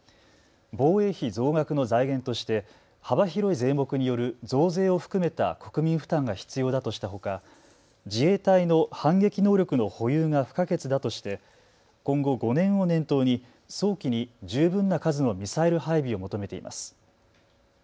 防衛費増額の財源として幅広い税目による増税を含めた国民負担が必要だとしたほか自衛隊の反撃能力の保有が不可欠だとして今後５年を念頭に早期に十分な数のミサイル配備を求めています。